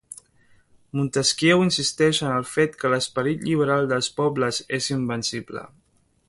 Montesquieu insisteix en el fet que l'esperit lliberal dels pobles és invencible.